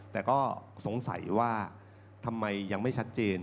แต่ก็สงสัยว่าทำไมยังไม่ชัดเจน